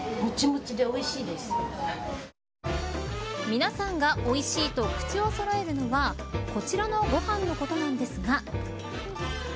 皆さんが、おいしいと口をそろえるのはこちらのご飯のことなんですが。